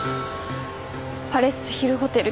パレスヒルホテル